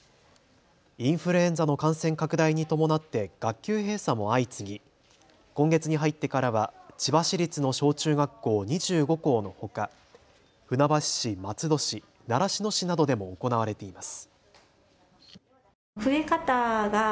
インフルエンザの感染拡大に伴って学級閉鎖も相次ぎ今月に入ってからは千葉市立の小中学校２５校のほか船橋市、松戸市、習志野市などでも行われています。